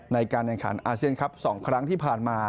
ในการแข่งขันอาเซียนครับ๒ครั้งที่ผ่านมา